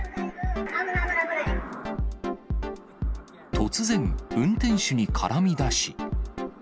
突然、運転手に絡みだし。